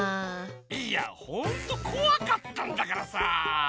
いやほんとこわかったんだからさ！